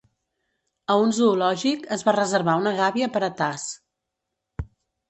A un zoològic, es va reservar una gàbia per a Taz.